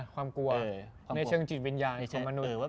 ความกลัวในช่วงจิตวิญญาณของมนุษย์